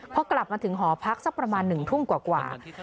พอกลับมาถึงหอพักสักประมาณ๑ทุ่มกว่า